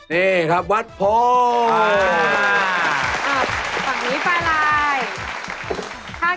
นี่ครับวัดโพฝั่งนี้ปลาลาย